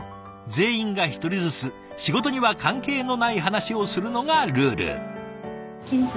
全員が１人ずつ仕事には関係のない話をするのがルール。